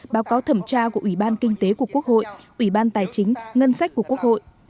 báo cáo thẩm tra của ủy ban kinh tế của quốc hội ủy ban tài chính ngân sách của quốc hội